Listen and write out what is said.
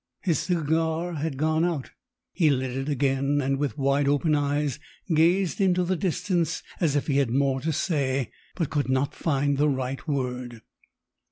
His cigar had gone out. He lit it again, and with wide open eyes gazed into the distance as if he had more to say but could not find the right word.